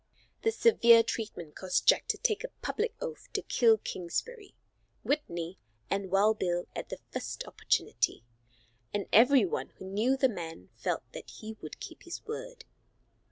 This severe treatment caused Jack to take a public oath to kill Kingsbury, Whitney and Wild Bill at the first opportunity, and every one who knew the man felt that he would keep his word.